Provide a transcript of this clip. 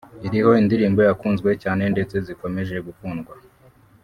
iriho indirimbo zakunzwe cyane ndetse zikomeje gukundwa